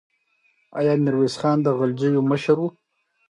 آیا میرویس خان د غلجیو مشر و؟